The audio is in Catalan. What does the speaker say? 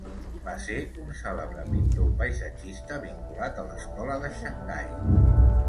Va ser un cèlebre pintor paisatgista vinculat a l'Escola de Xangai.